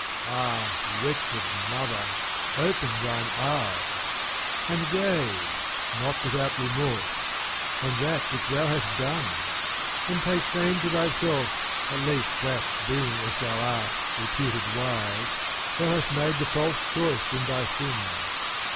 Ah wretched mother, open thine eyes ! And gaze, not without remorse, on that which thou hast done ; and take shame to thyself at least that being, as thou art, reputed wise, thou hast made the false choice in thy sins.